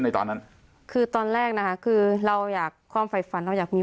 ตอนนั้นคือตอนแรกนะคะคือเราอยากความฝ่ายฝันเราอยากมี